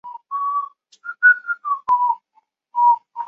非洲的金矿产出金子被运往威尼斯。